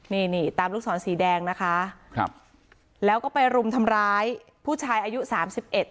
นี่นี่ตามลูกศรสีแดงนะคะครับแล้วก็ไปรุมทำร้ายผู้ชายอายุสามสิบเอ็ด